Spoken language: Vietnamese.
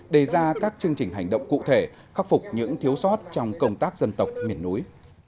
đề ra các chương trình hành động cụ thể khắc phục những thiếu sót trong công tác dân tộc miền núi